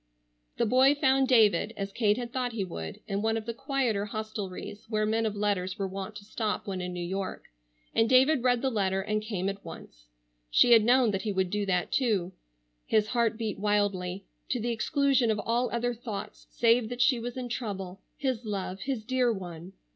The boy found David, as Kate had thought he would, in one of the quieter hostelries where men of letters were wont to stop when in New York, and David read the letter and came at once. She had known that he would do that, too. His heart beat wildly, to the exclusion of all other thoughts save that she was in trouble, his love, his dear one.